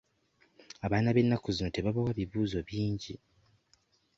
Abaana b'ennaku zino tebabawa bibuuzo bingi.